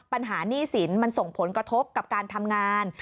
หนี้สินมันส่งผลกระทบกับการทำงาน